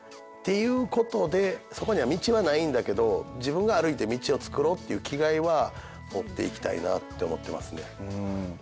そこには道はないんだけど自分が歩いて道をつくろうっていう気概は持っていきたいなって思ってますね。